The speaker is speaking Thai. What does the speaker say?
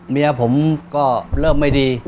เมียผมก็เริ่มไม่ดี